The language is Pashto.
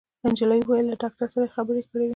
انجلۍ وويل چې له ډاکټر سره يې خبرې کړې وې